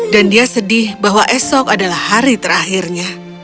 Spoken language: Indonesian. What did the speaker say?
dan dia sedih bahwa esok adalah hari terakhirnya